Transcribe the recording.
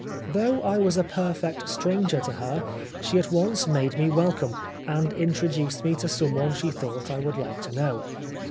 Though I was a perfect stranger to her, she at once made me welcome, and introduced me to someone she thought I would like to know.